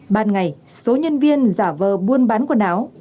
ban ngày số nhân viên giả vờ buôn bán quần áo